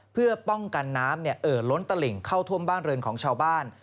เพื่อป้องกันน้ำเอ่อล้นตลิ่งเข้าท่วมบ้านเรือนของชาวบ้าน